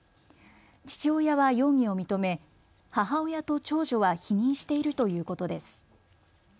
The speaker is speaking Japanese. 父親は容疑を認め母親と長女は否認しているということです。